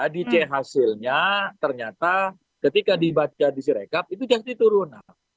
di c hasilnya ternyata ketika dibaca di sirekap itu jasdi turunan